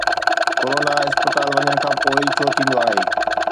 Corona اسپتال وڃڻ کان پوءِ ئي ڇو ٿيندو آهي؟